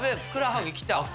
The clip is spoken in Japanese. ふくらはぎきた。